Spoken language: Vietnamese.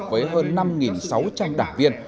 với hơn năm sáu trăm linh đảng viên